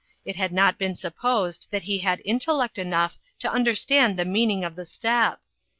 It had not been supposed that he had intellect enough to understand the meaning of the step.